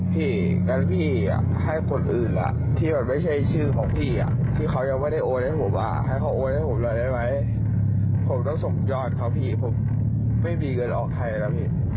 ผมต้องส่งยอดเขาพี่ผมไม่มีเงินออกไทยแล้วพี่